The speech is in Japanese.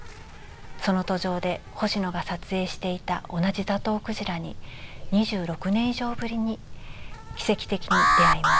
その途上で星野が撮影していた同じザトウクジラに２６年以上ぶりに奇跡的に出会います。